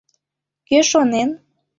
Кӧ шонен?..